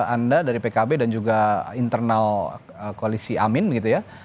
anda dari pkb dan juga internal koalisi amin begitu ya